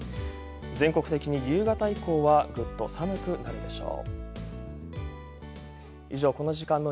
全国的に夕方以降はぐっと寒くなるでしょう。